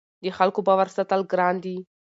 د خلکو باور ساتل ګران دي